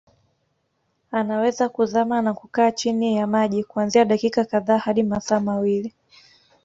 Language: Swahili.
Anaweza kuzama na kukaa chini ya maji kuanzia dakika kadhaa hadi masaa mawili